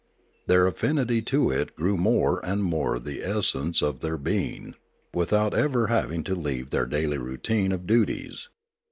Their affinity to it grew more and more the essence of their being, without ever having to leave their daily routine of duties.